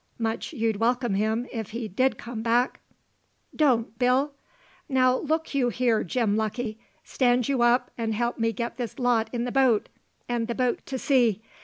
Much you'd welcome him, if he did come back!" "Don't, Bill!" "Now, look you here, Jim Lucky! Stand you up, and help me get this lot in the boat, and the boat to sea.